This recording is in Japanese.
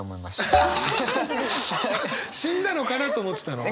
「死んだのかな？」と思ってたの？